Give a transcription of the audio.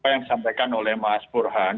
yang saya sampaikan oleh mas burhan